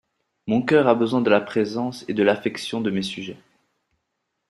Mon cœur a besoin de la présence et de l'affection de mes sujets.